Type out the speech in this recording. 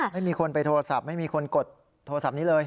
ไม่มีคนไปโทรศัพท์ไม่มีคนกดโทรศัพท์นี้เลย